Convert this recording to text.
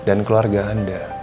an keluarga anda